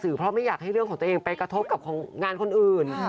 เพราะไม่อยากให้เรื่องของตัวเองไปกระทบกับงานคนอื่น